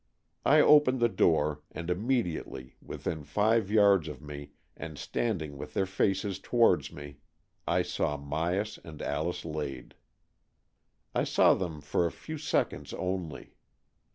I opened the door, and immediately, within five yards of me and standing with their faces towards me, I saw My as and Alice Lade. I saw them for a few seconds only.